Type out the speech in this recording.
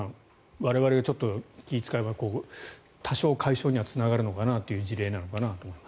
我々がちょっと気を使えば多少解消にはつながるのかなという事例かなと。